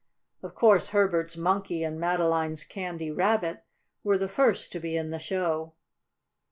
Of course Herbert's Monkey and Madeline's Candy Rabbit were the first to be in the show.